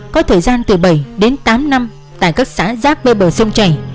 có thời gian từ bảy đến tám năm tại các xã giáp bê bờ sông chảy